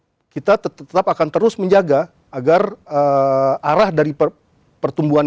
potensinya kita lihat ke depan memang kita tetap akan terus menjaga agar arah dari pertumbuhan